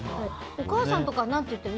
お母さんとか何て言ってる？